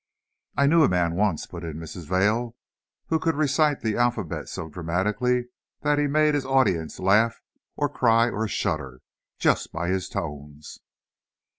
"I knew a man once," put in Mrs. Vail, "who could recite the alphabet so dramatically that he made his audience laugh or cry or shudder, just by his tones."